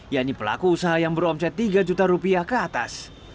yaitu pelaku usaha yang beromset tiga juta rupiah ke atas